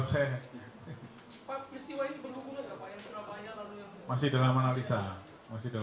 peningkatan pembinaan yang lebih lapan enggak